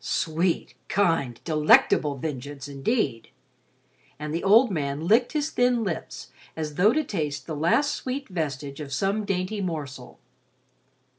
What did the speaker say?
Sweet, kind, delectable vengeance, indeed! And the old man licked his thin lips as though to taste the last sweet vestige of some dainty morsel.